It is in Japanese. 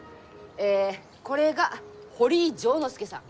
えこれが堀井丈之助さん。